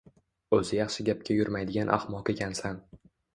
Oʻzi yaxshi gapga yurmaydigan ahmoq ekansan.